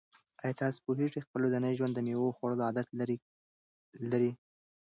آیا تاسو په خپل ورځني ژوند کې د مېوو خوړلو عادت لرئ؟